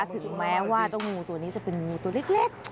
ถึงแม้ว่าเจ้างูตัวนี้จะเป็นงูตัวเล็ก